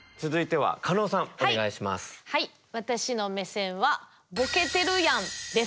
はい私の目線は「ボケてるやん」です。